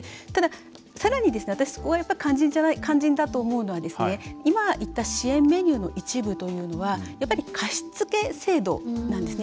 さらに、私そこが肝心だと思うのは今、言った支援メニューの一部というのは貸付制度なんですね。